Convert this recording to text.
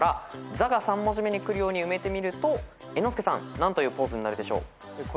「ざ」が３文字目にくるように埋めてみると猿之助さん何というポーズになるでしょう？